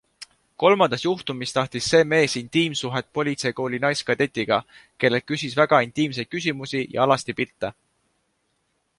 Kolmandas juhtumis tahtis see mees intiimsuhet politseikooli naiskadetiga, kellelt küsis väga intiimseid küsimusi ja alastipilte.